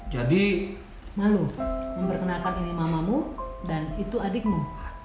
jadi malu ini mamamu dan itu adikmu